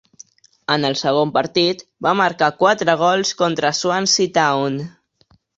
En el segon partit, va marcar quatre gols contra Swansea Town.